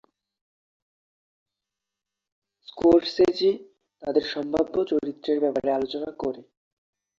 Scorsese তাদের সম্ভাব্য চরিত্রের ব্যাপারে আলোচনা করে।